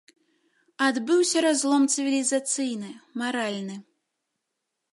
Адбыўся разлом цывілізацыйны, маральны.